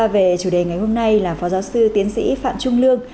về chủ đề ngày hôm nay là phó giáo sư tiến sĩ phạm trung lương